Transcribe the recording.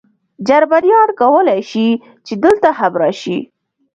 جرمنیان کولای شي، چې دلته هم راشي.